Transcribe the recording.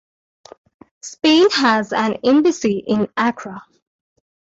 Spain has an embassy in Accra.